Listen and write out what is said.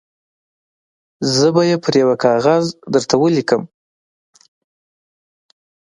زه به یې پر یوه کاغذ درته ولیکم.